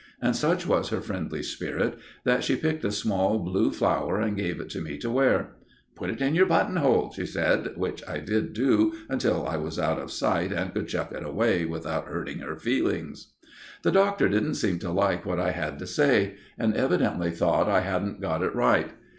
And such was her friendly spirit that she picked a small blue flower and gave it to me to wear. "Put it in your buttonhole," she said, which I did do until I was out of sight, and could chuck it away without hurting her feelings. The Doctor didn't seem to like what I had to say, and evidently thought I hadn't got it right.